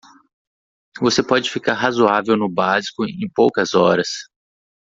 Você pode ficar razoável no básico em poucas horas.